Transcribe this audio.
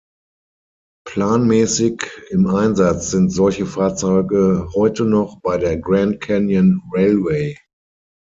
Planmäßig im Einsatz sind solche Fahrzeuge heute noch bei der Grand Canyon Railway.